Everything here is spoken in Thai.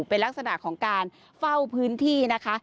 เป็นลักษณะของการเฝ้าพื้นที่นะคะ